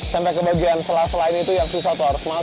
sampai ke kawasan yangcla selasa